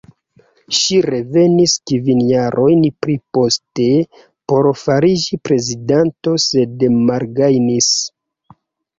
Ŝi revenis kvin jarojn pliposte por fariĝi prezidento sed malgajnis.